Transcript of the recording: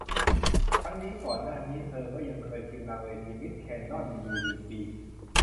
ทั้งนี้ ก่อนหน้านี้เธอก็ยังเคยชิมลางเวทีมิสแคนนอนยูลีก ปี